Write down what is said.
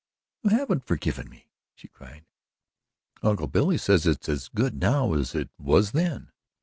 "You haven't forgiven me!" she cried. "Uncle Billy says it's as good now as it was then."